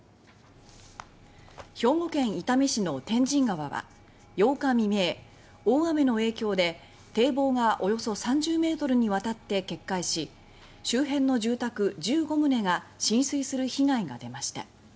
兵庫県伊丹市の天神川は８日未明、大雨の影響で堤防がおよそ３０ｍにわたって決壊し周辺の住宅１５軒が浸水する被害が出ました。